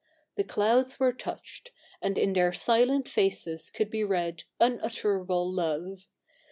The clouds were touched And in their silent faces could be read Unutterable love.